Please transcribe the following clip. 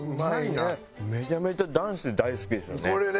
めちゃめちゃ男子大好きですよね。